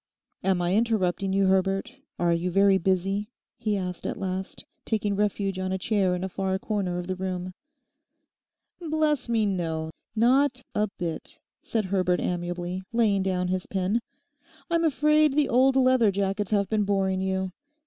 'Am I interrupting you, Herbert; are you very busy?' he asked at last, taking refuge on a chair in a far corner of the room. 'Bless me, no; not a bit—not a bit,' said Herbert amiably, laying down his pen. 'I'm afraid the old leatherjackets have been boring you.